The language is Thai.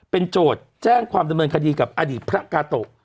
เป็นโจทย์แจ้งความดำเนินคดีกับอดีตพระกาโตะ